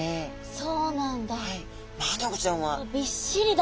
そうなんだ。